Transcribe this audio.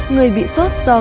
người bị sốt do cảm lạnh